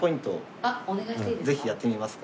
ぜひやってみますか？